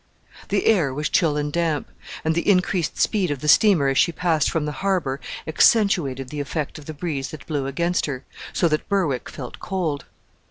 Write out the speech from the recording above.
The air was chill and damp; and the increased speed of the steamer as she passed from the harbour accentuated the effect of the breeze that blew against her, so that Berwick felt cold.